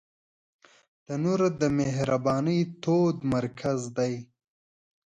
تنور د مهربانۍ تود مرکز دی